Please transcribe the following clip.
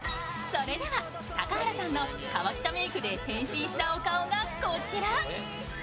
それでは高原さんの河北メイクで変身したお顔がこちら。